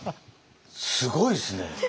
すごいですね。